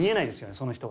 その人は。